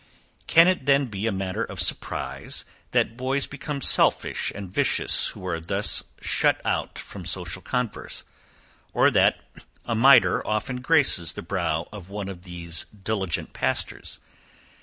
Can it then be a matter of surprise, that boys become selfish and vicious who are thus shut out from social converse? or that a mitre often graces the brow of one of these diligent pastors?